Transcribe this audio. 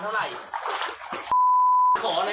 หันมานี่